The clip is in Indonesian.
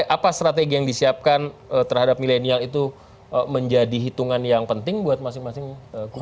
apa strategi yang disiapkan terhadap milenial itu menjadi hitungan yang penting buat masing masing kubu